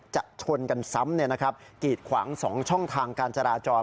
ชนกันซ้ำกีดขวาง๒ช่องทางการจราจร